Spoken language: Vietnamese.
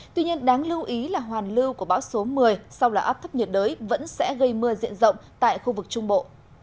tuy nhiên đáng lưu ý là hoàn lưu của bão số một mươi sau là áp thấp nhiệt đới vẫn sẽ gây mưa diện rộng tại khu vực trung bộ